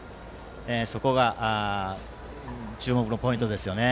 そこが注目のポイントですよね。